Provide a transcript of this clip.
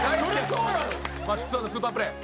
マシロさんのスーパープレー。